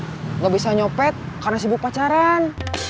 tapi temen kamu gak bisa nyopet karena sibuk pacaran